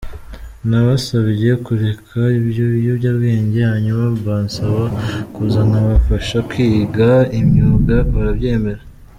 Nabasabye kureka ibyo biyobyabwenge, hanyuma mbasaba kuza nkabafasha kwiga imyuga, barabyemera.